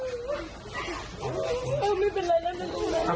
ปลอบภัยแล้วลูกปลอบภัยแล้ว